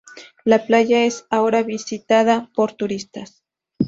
La playa es ahora visitada por turistas.